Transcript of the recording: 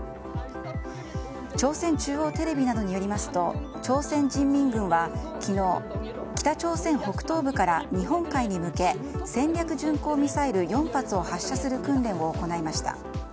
朝鮮中央テレビなどによりますと朝鮮人民軍は昨日北朝鮮北東部から日本海に向け戦略巡航ミサイル４発を発射する訓練を行いました。